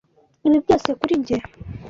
Ibi byose kuri njye.